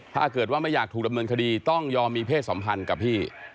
ถ้าเกิดว่าไม่อยากถูกดำเนินคดีต้องยอมมีเพศสัมพันธ์กับพี่